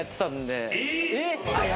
えっ！？